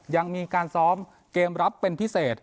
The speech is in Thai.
ยังมีการซ้อมเกมรับเป็นพิเศษ